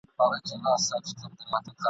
ساندي مرګونه اوري !.